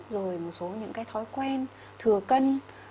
rồi một số những cái thói quen thừa cân